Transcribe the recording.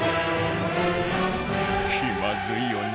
気まずいよね？